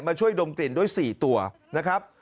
มาช่วยดมติดด้วย๔ตัวนะครับ